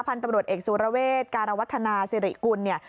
พันธุ์ตำรวจเอกสุรเวศการวัฒนาสิริกุลเนี่ย